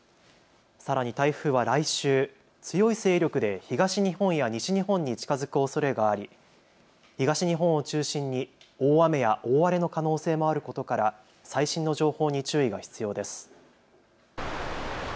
さらに台風は来週、強い勢力で東日本や西日本に近づくおそれがあり東日本を中心に大雨や大荒れの可能性もあることから最新の情報に注意が必要です。